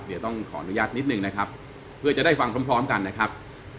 เดี๋ยวต้องขออนุญาตนิดนึงนะครับเพื่อจะได้ฟังพร้อมกันนะครับ